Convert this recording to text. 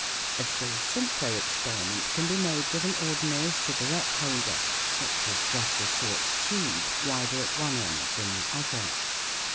A still simpler experiment can be made with an ordinary cigarette holder, which is just a short tube wider at one end than the other.